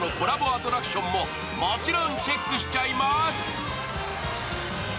アトラクションももちろんチェックしちゃいます。